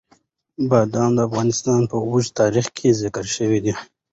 بادام د افغانستان په اوږده تاریخ کې ذکر شوي دي.